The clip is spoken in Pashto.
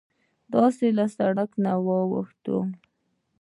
داسې له سرک نه واوښتوو.